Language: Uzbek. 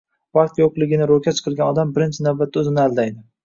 Vaqt yo‘qligini ro‘kach qilgan odam, birinchi navbatda o‘zini aldaydi.